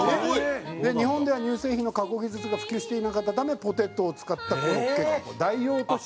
日本では乳製品の加工技術が普及していなかったためポテトを使ったコロッケが代用として。